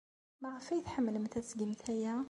Maɣef ay tḥemmlemt ad tgemt aya?